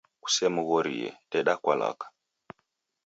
Kusemghoghorie, deda kwa lwaka